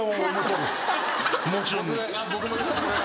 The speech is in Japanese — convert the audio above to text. もちろんです！